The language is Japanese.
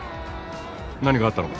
何かあったのか。